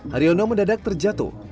haryono mendadak terjatuh